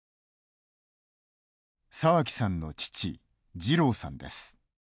沢木さんの父二郎さんです。